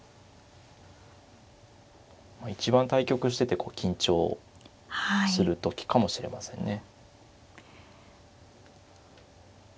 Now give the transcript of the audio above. まあ一番対局してて緊張する時かもしれませんね。